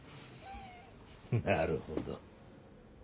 なるほど。